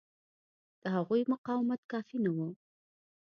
د هغوی مقاومت کافي نه و.